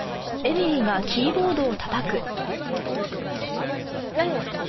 えっ何やってるの？